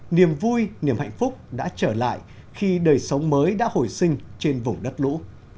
niềm vui niềm hạnh phúc đã trở lại khi đời sống mới đã hồi sinh trên vùng đất lũ